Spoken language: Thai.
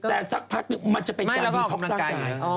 แต่สักพักนึงมันจะเป็นกาลสอนกัน